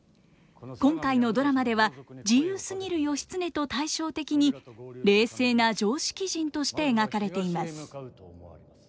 今回のドラマでは自由すぎる義経と対照的に冷静な常識人として描かれています。